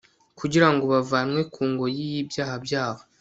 kugira ngo bavanwe ku ngoyi y'ibyaha byabo